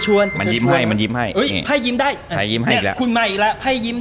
อันนี้มันขยือมาพอดี